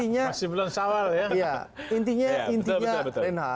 masih belum sawal ya